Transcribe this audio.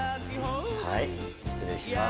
はい失礼します。